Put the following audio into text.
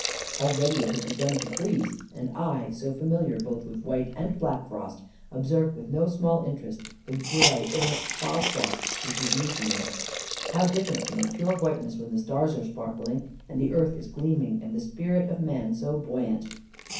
Already it had begun to freeze; and I, so familiar both with white and black frost, observed with no small interest the grey or fog frost, which was new to me. How different from the pure whiteness when the stars are sparkling, and the earth is gleaming, and the spirit of man so buoyant!